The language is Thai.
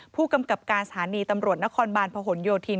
ผู้กำกับการสถานีตำรวจนครบาลพหนโยธิน